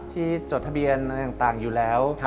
จดทะเบียนอะไรต่างอยู่แล้ว